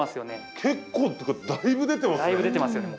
結構っていうかだいぶ出てますね。